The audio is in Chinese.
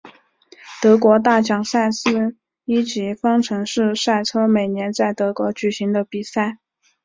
德国大奖赛是一级方程式赛车每年在德国举行的比赛。